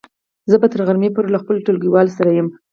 زه به تر غرمې پورې له خپلو ټولګیوالو سره يم.